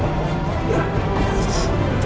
masa itu mas